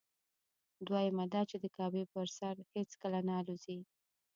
دویمه دا چې د کعبې پر سر هېڅکله نه الوزي.